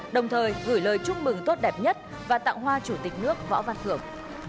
đồng thời gửi lời chúc mừng tốt đẹp nhất và tặng hoa chủ tịch nước võ văn thưởng